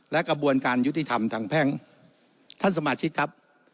และกระบวนการยุติธรรมทางแพ่งท่านสมาชิกครับ